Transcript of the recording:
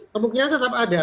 kemungkinan tetap ada